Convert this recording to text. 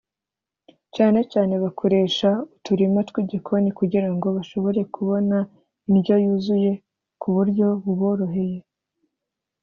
cyane cyane bakoresha uturima tw’igikoni kugira ngo bashobore kubona indyo yuzuye ku buryo buboroheye